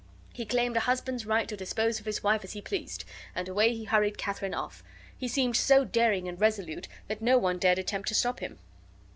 He claimed a husband's right to dispose of his wife as he pleased, and away he hurried Katharine off; he seeming so daring and resolute that no one dared attempt to stop him.